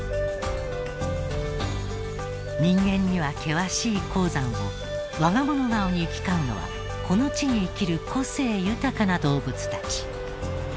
人間には険しい高山を我が物顔に行き交うのはこの地に生きる個性豊かな動物たち。